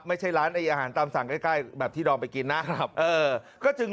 ไม่ใช่ร้านอาหารตามสั่งใกล้แบบที่ดอมไปกินนะครับ